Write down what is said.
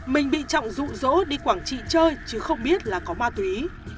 mình bị trọng rụ rỗ đi quảng trị chơi chứ không biết là có ma túy